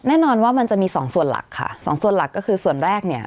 แน่นอนว่ามันจะมีสองส่วนหลักค่ะสองส่วนหลักก็คือส่วนแรกเนี่ย